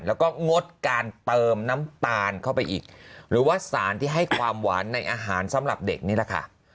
แล้วก็งดการเติมน้ำตาลเข้าไปอีกหรือว่าสารที่ให้ความหวานในอาหารสำหรับเด็กนี่แหละค่ะ